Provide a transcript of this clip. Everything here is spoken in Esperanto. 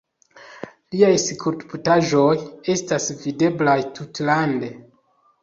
Liaj skulptaĵoj estas videblaj tutlande.